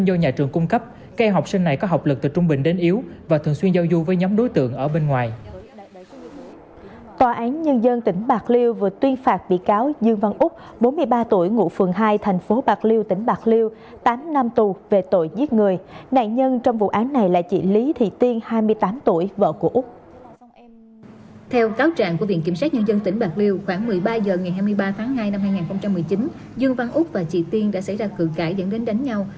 đặc liều khoảng một mươi ba h ngày hai mươi ba tháng hai năm hai nghìn một mươi chín dương văn úc và chị tiên đã xảy ra cử cãi dẫn đến đánh nhau